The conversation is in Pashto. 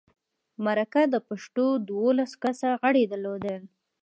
مرکه د پښتو دولس کسه غړي درلودل.